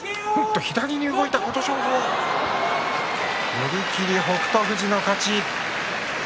寄り切り、北勝富士の勝ち。